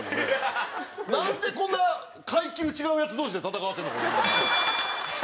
なんでこんな階級違うヤツ同士で戦わせるの？